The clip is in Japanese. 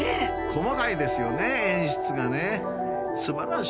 細かいですよね演出がね。素晴らしい。